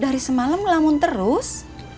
dari semalam ngelamun terus